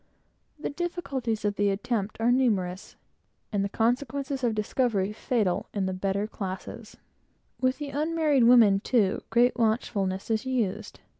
The difficulties of the attempt are numerous, and the consequences of discovery fatal. With the unmarried women, too, great watchfulness is used.